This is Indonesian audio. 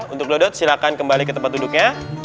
untuk dot silahkan kembali ke tempat duduknya